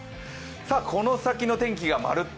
この先の天気がまるっと！